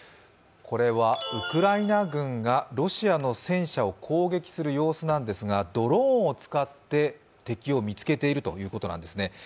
これはウクライナ軍がロシアの戦車を攻撃する様子なんですがドローンを使って敵を見つけているということなんですね。